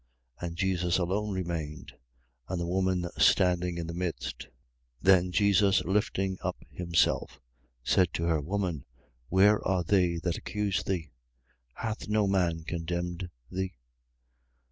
And Jesus alone remained, and the woman standing in the midst. 8:10. Then Jesus lifting up himself, said to her: Woman, where are they that accused thee? Hath no man condemned thee?